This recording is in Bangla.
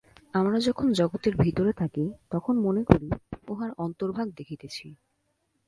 আমরা যখন জগতের ভিতরে থাকি, তখন মনে করি, উহার অন্তর্ভাগ দেখিতেছি।